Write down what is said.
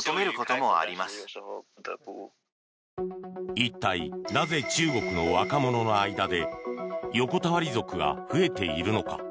一体、なぜ中国の若者の間で横たわり族が増えているのか。